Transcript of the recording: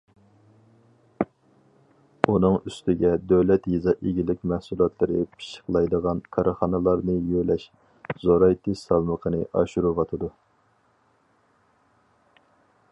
ئۇنىڭ ئۈستىگە دۆلەت يېزا ئىگىلىك مەھسۇلاتلىرى پىششىقلايدىغان كارخانىلارنى يۆلەش، زورايتىش سالمىقىنى ئاشۇرۇۋاتىدۇ.